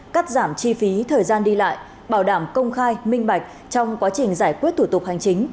cắt giảm chi phí thời gian đi lại bảo đảm công khai minh bạch trong quá trình giải quyết thủ tục hành chính